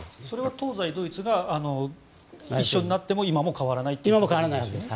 それは東西ドイツが一緒になっても変わらないということですね。